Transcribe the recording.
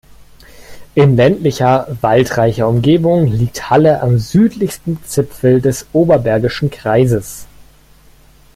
In ländlicher, waldreicher Umgebung liegt Halle am südlichsten Zipfel des Oberbergischen Kreises.